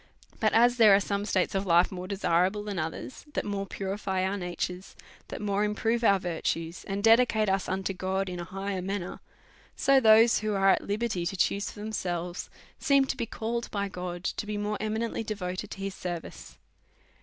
But as there are some states of life more desi rable than others, that more purify our natures, that more improve our virtues, and dedicate us unto God in a higher manner ; so those who are at liberty to choose for themselves seem to be called by God to be morje eminently devoted to his service.